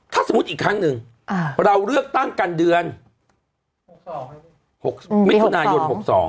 ถ้าสมมุติอีกครั้งหนึ่งเราเลือกตั้งกันเดือน๖มิถุนายน๖๒